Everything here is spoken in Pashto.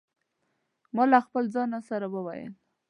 ما له خپل ځانه سره وویل.